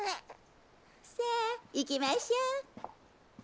さあ行きましょう。